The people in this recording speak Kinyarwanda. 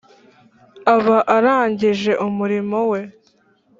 aba arangije umurimo we